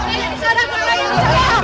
jangan kesana tuan